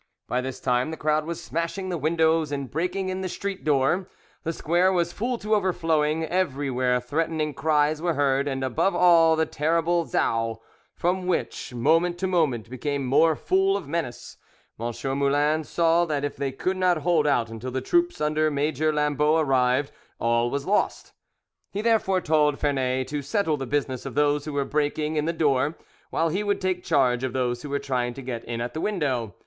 By this time the crowd was smashing the windows and breaking in the street door. The square was full to overflowing, everywhere threatening cries were heard, and above all the terrible zaou, which from moment to moment became more full of menace. M. Moulin saw that if they could not hold out until the troops under Major Lambot arrived, all was lost; he therefore told Vernet to settle the business of those who were breaking in the door, while he would take charge of those who were trying to get in at the window.